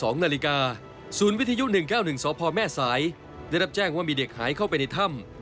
นาฬิกาศูนย์วิทยุ๑๙๑สพแม่สายได้รับแจ้งว่ามีเด็กหายเข้าไปในถ้ำ